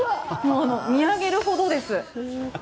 見上げるほどです。